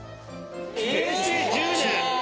平成１０年。